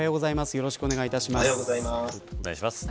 よろしくお願いします。